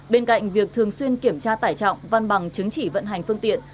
bên cạnh việc thường xuyên kiểm tra tải trọng văn bằng chứng chỉ vận hành phương tiện